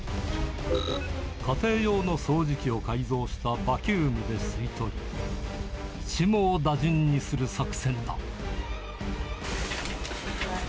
家庭用の掃除機を改造したバキュームで吸い取り、一網打尽にする作戦だ。